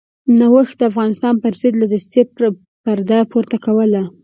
نوښت د افغانستان پرضد له دسیسې پرده پورته کوله.